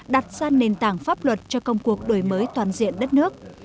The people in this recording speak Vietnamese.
đặt ra nền tảng pháp luật cho công cuộc đổi mới toàn diện đất nước